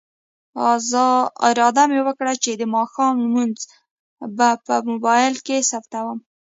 اراده مې وکړه چې د ماښام لمونځ به په موبایل کې ثبتوم.